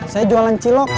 saya jualan cilok